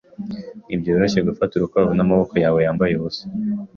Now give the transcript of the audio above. Ntibyoroshye gufata urukwavu n'amaboko yawe yambaye ubusa.